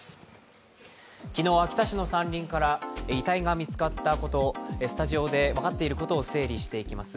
昨日、秋田市の山林から遺体が見つかったこと、スタジオで分かっていることを整理していきます。